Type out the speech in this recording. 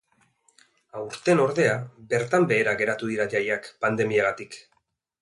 Aurten, ordea, bertan behera geratu dira jaiak, pandemiagatik.